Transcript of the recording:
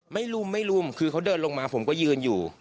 ไม่รู้ไม่รู้คือเขาเดินลงมาผมก็ยืนอยู่